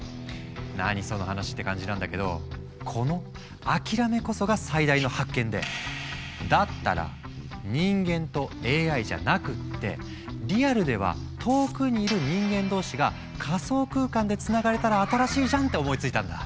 何その話？って感じなんだけどこの諦めこそが最大の発見でだったら人間とＡＩじゃなくってリアルでは遠くにいる人間同士が仮想空間でつながれたら新しいじゃんって思いついたんだ。